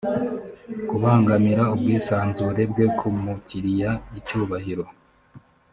kubangamira ubwisanzure bwe ku mukiriya icyubahiro